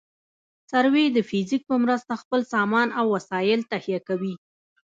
سروې د فزیک په مرسته خپل سامان او وسایل تهیه کوي